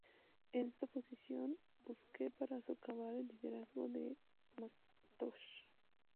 En esta posición, busque para socavar el liderazgo de McIntosh.